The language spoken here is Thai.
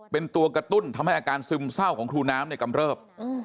เป็นตัวกระตุ้นทำให้อาการซึมเศร้าของครูน้ำเนี่ยกำเริบ